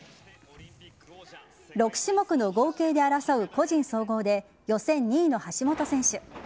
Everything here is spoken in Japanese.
６種目の合計で争う個人総合で予選２位の橋本選手。